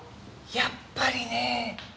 やっぱりねぇ。